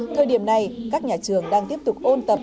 thời điểm này các nhà trường đang tiếp tục ôn tập